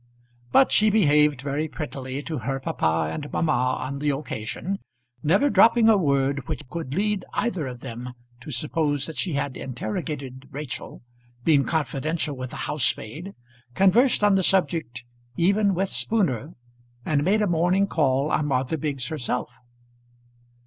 But she behaved very prettily to her papa and mamma on the occasion, never dropping a word which could lead either of them to suppose that she had interrogated Rachel, been confidential with the housemaid, conversed on the subject even with Spooner, and made a morning call on Martha Biggs herself.